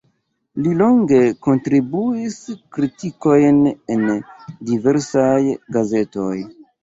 Li longe kontribuis kritikojn en diversaj gazetoj.